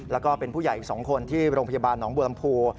แล้วก็เป็นผู้ใหญ่อีก๒คนที่โรงพยาบาลหนองบัวลำพู